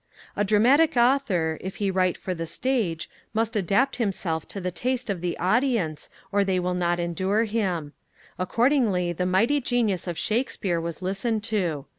A dramatic Author, if he write for the stage, must adapt himself to the taste of the audience, or they will not endure him; accordingly the mighty genius of Shakespeare was listened to.